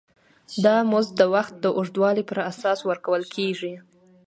دا مزد د وخت د اوږدوالي پر اساس ورکول کېږي